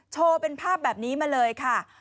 โชว์เป็นภาพแบบนี้มาเลยค่ะ